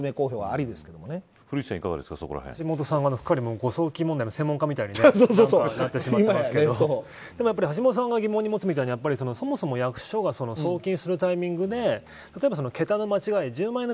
刑事裁判になれば橋下さんは、誤送金問題の専門家みたいになってますけどでも、橋下さんが疑問に持つみたいにそもそも役所が送金するタイミングで例えば桁の間違え